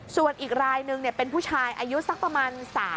ส่วนอีกรายนึงเป็นผู้ชายอายุสักประมาณ